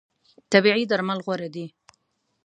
طبیعي درمل غوره دي.